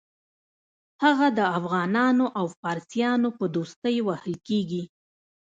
هغه د افغانانو او فارسیانو په دوستۍ وهل کېږي.